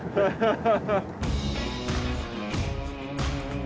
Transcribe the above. ハハハッ。